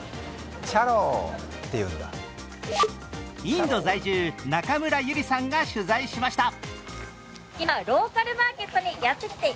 インド在住中村ゆりさんが取材しました。